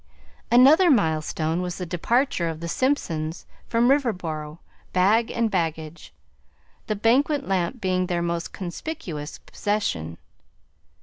Another milestone was the departure of the Simpsons from Riverboro, bag and baggage, the banquet lamp being their most conspicuous possession.